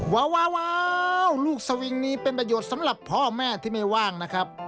ว้าวลูกสวิงนี้เป็นประโยชน์สำหรับพ่อแม่ที่ไม่ว่างนะครับ